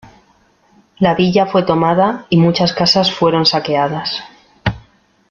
La villa fue tomada y muchas casas fueron saqueadas.